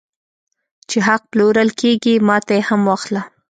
چې حق پلورل کېږي ماته یې هم واخله